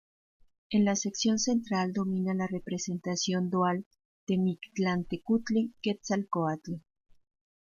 En la sección central domina la representación dual de Mictlantecuhtli-Quetzalcóatl.